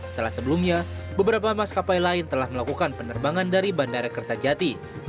setelah sebelumnya beberapa maskapai lain telah melakukan penerbangan dari bandara kertajati